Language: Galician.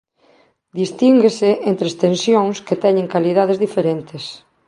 Distínguese entre extensións que teñen calidades diferentes.